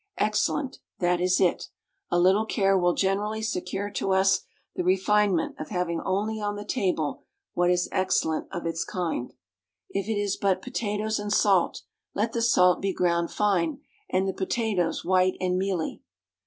Excellent, that is it. A little care will generally secure to us the refinement of having only on the table what is excellent of its kind. If it is but potatoes and salt, let the salt be ground fine, and the potatoes white and mealy.